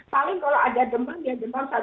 paling kalau ada demam ya demam satu dua hari